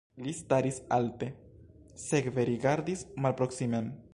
Li staris alte, sekve rigardis malproksimen.